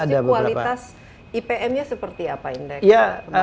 jadi kualitas ipm nya seperti apa